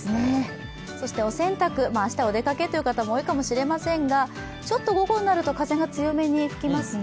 そして明日、お出かけという方も多いかもしれませんが、ちょっと午後になると風が強めに吹きますね。